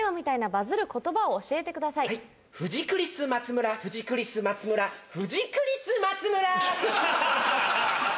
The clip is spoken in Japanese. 「富士クリス松村富士クリス松村富士クリス松村」。